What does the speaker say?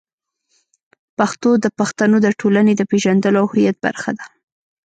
پښتو د پښتنو د ټولنې د پېژندلو او هویت برخه ده.